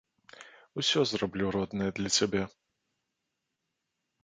Усё зраблю, родная, для цябе.